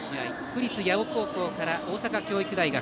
府立八尾高校から大阪教育大学。